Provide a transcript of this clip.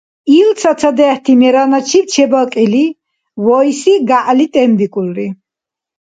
Ил цацадехӀти мераначиб чебакӀили, вайси гягӀли тӀембикӀулри.